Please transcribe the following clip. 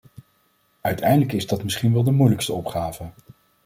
Uiteindelijk is dat misschien wel de moeilijkste opgave.